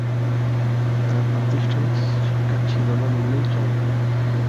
তার প্রাতিষ্ঠানিক শিক্ষা ছিল না বললেই চলে।